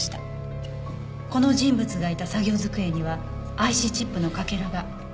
この人物がいた作業机にはＩＣチップのかけらが。